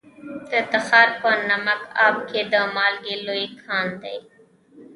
د تخار په نمک اب کې د مالګې لوی کان دی.